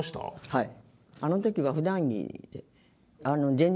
はい。